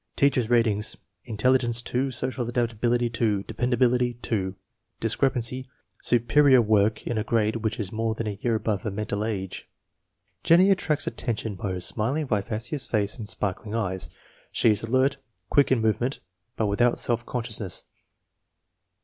Teacher's ratings: intelligence 2, social adaptability 2, dependability 2. Discrepancy: "Superior" work in a grade which is more than a year above her mental age. Jennie attracts attention by her smiling, vivacious face and sparkling eyes. She is alert, quick in movement, but without self consciousness.